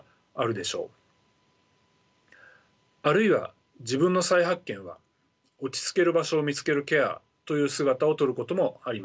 あるいは自分の再発見は落ち着ける場所を見つけるケアという姿をとることもあります。